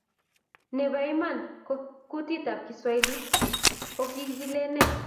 Nebo iman ko kutitab Kiswahili kokokilene?